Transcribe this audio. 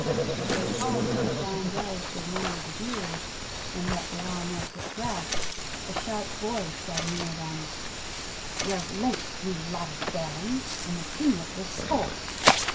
While they paused for John Dough to admire the view, and that they all might get breath, a sharp voice said near them: "You're late, you lot of Failings, and the kinglet will scold."